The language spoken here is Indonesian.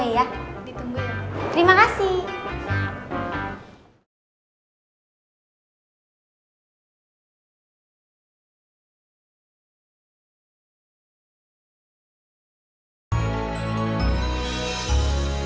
saya mau pesen nasi rambas dua di teknik kampung